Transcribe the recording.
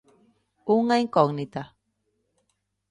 Unha incógnita.